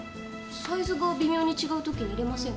サイズが微妙に違う時に入れませんか？